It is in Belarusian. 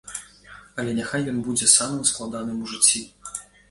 Але няхай ён будзе самым складаным у жыцці.